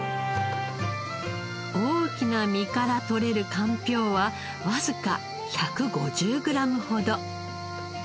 大きな実から取れるかんぴょうはわずか１５０グラムほど。